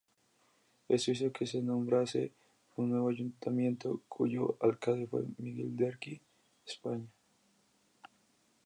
Esto hizo que se nombrase un nuevo ayuntamiento, cuyo alcalde fue Miguel Derqui España.